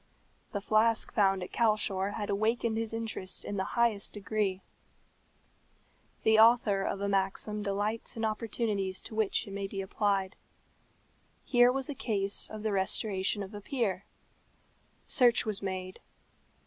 The flask found at Calshor had awakened his interest in the highest degree. The author of a maxim delights in opportunities to which it may be applied. Here was a case of the restoration of a peer. Search was made.